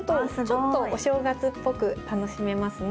ちょっとお正月っぽく楽しめますね。